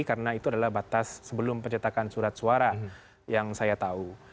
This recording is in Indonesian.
karena itu adalah batas sebelum pencetakan surat suara yang saya tahu